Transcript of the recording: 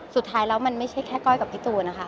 สุดท้ายแล้วมันไม่ใช่แค่ก้อยกับพี่ตูนนะคะ